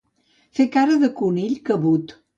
Fer cara de conill cabut.